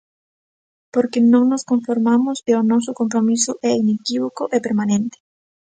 Porque non nos conformamos e o noso compromiso é inequívoco e permanente.